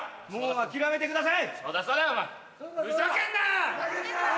諦めてください。